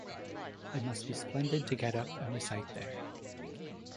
It must be splendid to get up and recite there.